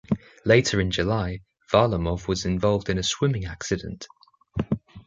Later in July, Varlamov was involved in a swimming accident.